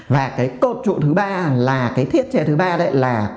và cái cột trụ thứ ba là cái thiết chế thứ ba đấy là